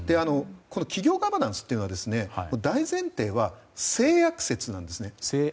企業ガバナンスは大前提は性悪説なんですね。